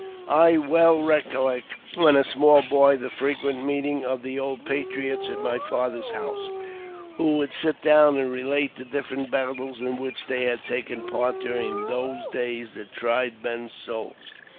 I well recollect, when a small boy, the frequent meetings of the old patriots at my father's house, who would sit down and relate the different battles in which they had taken part during "those days that tried men's souls."